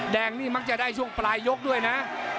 แดงนี่มักจะได้ช่วงปลายยกด้วยนะ